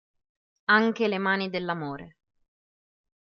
Anche le mani dell'amore.